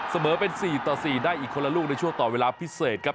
เสมอเป็น๔ต่อ๔ได้อีกคนละลูกในช่วงต่อเวลาพิเศษครับ